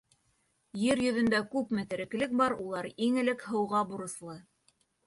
Ер йөҙөндә күпме тереклек бар — улар иң элек һыуға бурыслы.